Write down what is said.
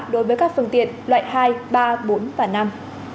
đối với các phương tiện loại hai ba bốn và năm